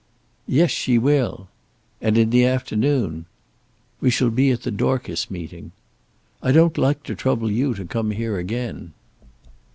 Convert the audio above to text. "Yes, she will." "And in the afternoon." "We shall be at the Dorcas meeting." "I don't like to trouble you to come here again."